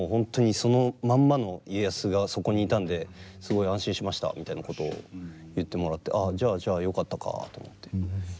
そのまんまの家康がそこにいたんですごい安心しましたみたいなことを言ってもらって「ああじゃあじゃあよかったか」と思って。